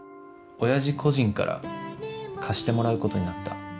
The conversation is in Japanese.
親父個人から貸してもらうことになった。